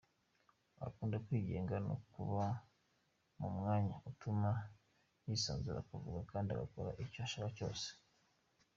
Akunda kwigenga no kuba mu mwanya utuma yizansura akavuga kandi agakora icyo ashaka cyose.